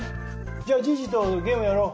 じゃあじいじとゲームやろう！